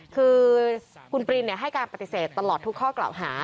คือคุณปรินให้การปฏิเสธตลอดทุกข้อกล่าวหา